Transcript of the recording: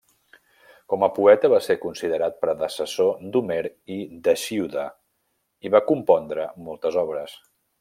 Com a poeta va ser considerat predecessor d'Homer i d'Hesíode, i va compondre moltes obres.